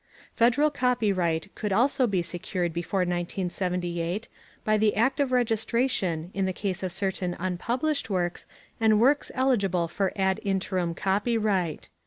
Federal copyright could also be secured before 1978 by the act of registration in the case of certain unpublished works and works eligible for ad interim copyright.